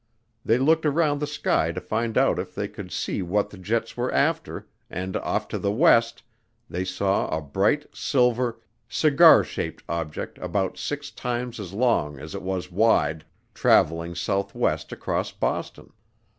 They looked around the sky to find out if they could see what the jets were after and off to the west they saw a bright silver "cigar shaped object about six times as long as it was wide" traveling southwest across Boston.